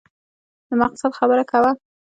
د مقصد خبره کوه !